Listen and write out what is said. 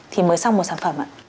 thì mới xong một sản phẩm ạ